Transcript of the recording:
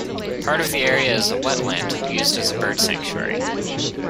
Part of the area is a wetland used as a bird sanctuary.